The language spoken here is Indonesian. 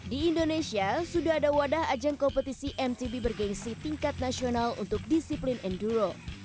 di indonesia sudah ada wadah ajang kompetisi mtb bergensi tingkat nasional untuk disiplin enduro